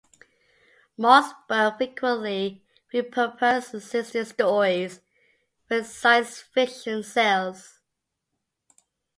Malzberg frequently repurposed existing stories for his science fiction sales.